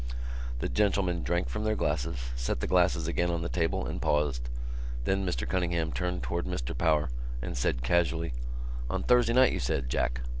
The gentlemen drank from their glasses, set the glasses again on the table and paused. Then Mr Cunningham turned towards Mr Power and said casually: "On Thursday night, you said, Jack."